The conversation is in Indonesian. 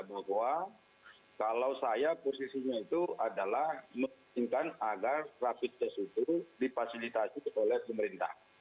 bahwa kalau saya posisinya itu adalah menginginkan agar rapid test itu dipasilitasi oleh pemerintah